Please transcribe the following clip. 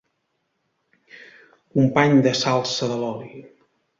Company de salsa de l'oli.